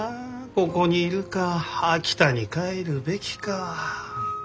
ここにいるか秋田に帰るべきか。